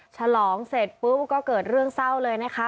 ฉลองเสร็จปุ๊บก็เกิดเรื่องเศร้าเลยนะคะ